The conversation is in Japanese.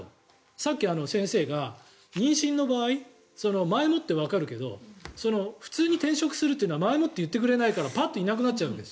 さっき、先生が妊娠の場合、前もってわかるけど普通に転職するというのは前もって言ってくれないからパッといなくなっちゃうんです。